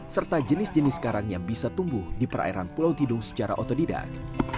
serta jenis jenis karang yang bisa tumbuh di perairan pulau tidung secara otodidak